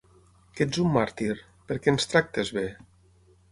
Que ets un màrtir? Perquè ens tractes bé?